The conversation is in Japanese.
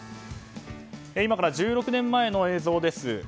今から１６年前の映像です。